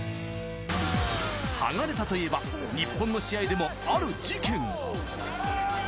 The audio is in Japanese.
剥がれたと言えば日本の試合でもある事件が。